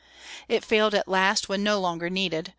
It failed at last, when no longer needed.